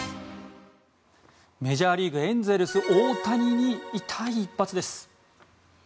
メジャーリーグエンゼルス、大谷に痛い一発です。